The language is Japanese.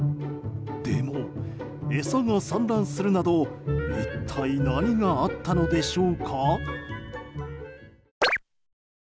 でも、餌が散乱するなど一体何があったのでしょうか？